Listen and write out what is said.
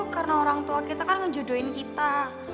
karena orang tua kita kan ngejodohin kita